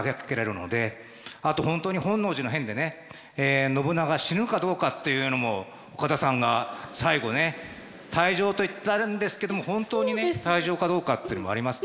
あと本当に本能寺の変でね信長が死ぬかどうかっていうのも岡田さんが最後ね退場と言ったんですけども本当にね退場かどうかっていうのもありますからね。